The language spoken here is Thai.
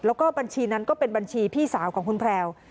แล้วก็บัญชีนั้นก็เป็นบัญชีพี่สาวของคุณแพรว